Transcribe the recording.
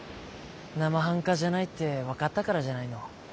なまはんかじゃないって分かったからじゃないの。